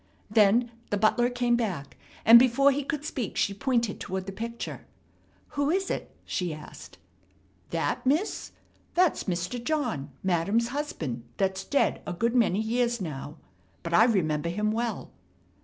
Then the butler came back, and before he could speak she pointed toward the picture. "Who is it?" she asked. "That, miss? That's Mr. John, Madam's husband that's dead a good many years now. But I remember him well."